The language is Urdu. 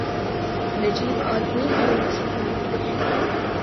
نجیب آدمی ہر مذہب میں ہوتے ہیں۔